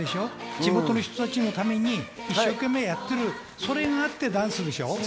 地元の人たちのために一生懸命やっている、それがあってダンスでしょ。